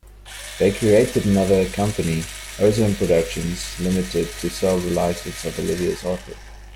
They created another company, Ozone Productions, Limited, to sell and license Olivia's artwork.